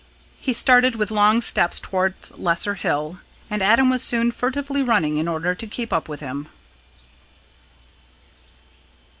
He started with long steps towards Lesser Hill, and Adam was soon furtively running in order to keep up with him.